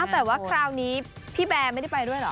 แต่ว่าคราวนี้พี่แบร์ไม่ได้ไปด้วยเหรอ